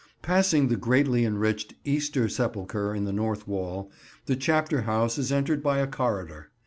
Passing the greatly enriched Easter Sepulchre in the north wall, the Chapter House is entered by a corridor.